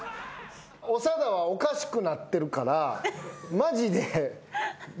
長田はおかしくなってるから。